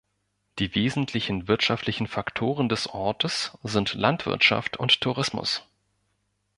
Die wesentlichen wirtschaftlichen Faktoren des Ortes sind Landwirtschaft und Tourismus.